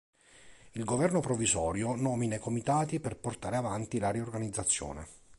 Il governo provvisorio nomina i comitati per portare avanti la riorganizzazione.